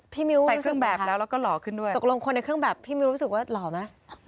พี่มิวรู้สึกมั้ยคะตกลงคนในเครื่องแบบพี่มิวรู้สึกว่าหล่อมั้ย